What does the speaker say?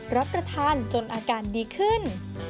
รับประทานจนอาการดีขึ้น